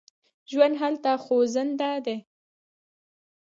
ژوند هلته خوځنده دی.